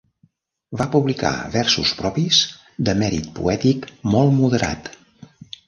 Va publicar versos propis de mèrit poètic molt moderat.